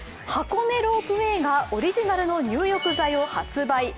箱根ロープウェイがオリジナルの入浴剤を発売。